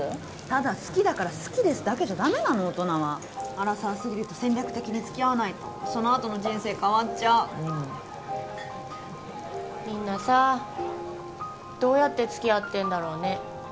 ただ好きだから好きですだけじゃダメなの大人はアラサー過ぎると戦略的につきあわないとそのあとの人生変わっちゃうみんなさどうやってつきあってんだろうね